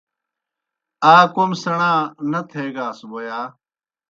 آ کوْم سیْݨا نہ تھیگاس بوْ یا؟